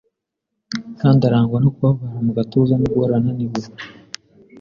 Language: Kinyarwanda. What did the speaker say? kandi arangwa no kubabara mu gatuza no guhora ananiwe.